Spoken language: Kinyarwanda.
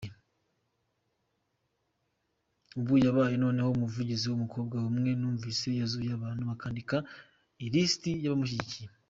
Ubu yabaye noneho umuvugizi w’umukobwa umwe numvise wazuye abantu bakandika ilisiti y’abamushyigikiye.